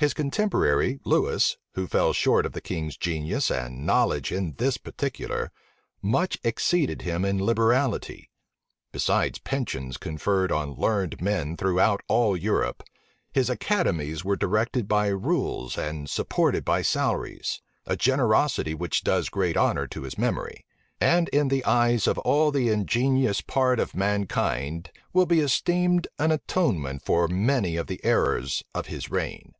His contemporary Lewis, who fell short of the king's genius and knowledge in this particular, much exceeded him in liberality. Besides pensions conferred on learned men throughout all Europe, his academies were directed by rules and supported by salaries; a generosity which does great honor to his memory; and, in the eyes of all the ingenious part of mankind, will be esteemed an atonement for many of the errors of his reign.